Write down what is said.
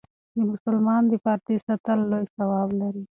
د مسلمان د پردې ساتل لوی ثواب لري.